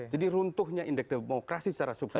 jadi runtuhnya indeks demokrasi secara subsah